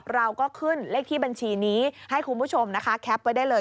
เราก็ขึ้นเลขที่บัญชีนี้ให้คุณผู้ชมนะคะแคปไว้ได้เลย